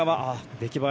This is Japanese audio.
出来栄え